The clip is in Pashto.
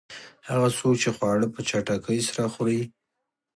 هغه څوک چې خواړه په چټکۍ سره خوري.